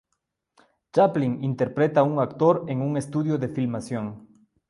Chaplin interpreta un actor en un estudio de filmación.